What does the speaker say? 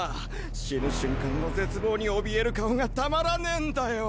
死ぬ瞬間の絶望におびえる顔がたまらねえんだよ！